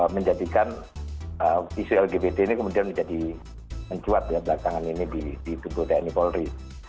menjadikan isu lgbt ini kemudian menjadi mencuat ya belakangan ini di tubuh tni polri